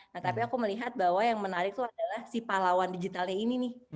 nah tapi aku melihat bahwa yang menarik tuh adalah si pahlawan digitalnya ini nih